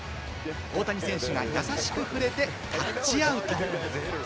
大谷選手が優しく触れてタッチアウト。